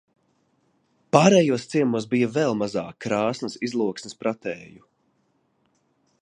Pārējos ciemos bija vēl mazāk Krāsnas izloksnes pratēju.